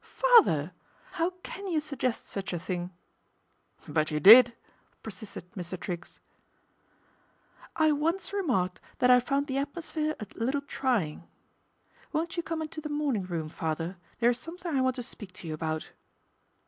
" Father ! how can you suggest such a thing ?"" But you did," persisted Mr. Triggs. " I once remarked that I found the atmosphere a little trying." " Won't you come into the morning room, father, there's something I want to speak to you about."